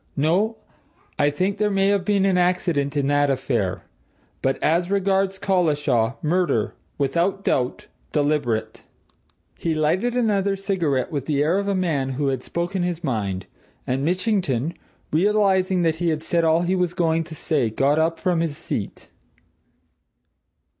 No I think there may have been accident in that affair. But, as regards Collishaw murder, without doubt deliberate!" He lighted another cigarette, with the air of a man who had spoken his mind, and Mitchington, realizing that he had said all he had to say, got up from his seat.